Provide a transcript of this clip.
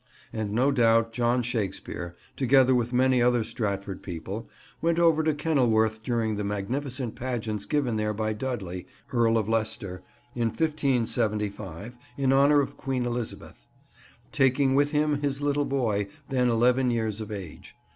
And no doubt John Shakespeare, together with many other Stratford people, went over to Kenilworth during the magnificent pageants given there by Dudley, Earl of Leicester, in 1575, in honour of Queen Elizabeth; taking with him his little boy, then eleven years of age.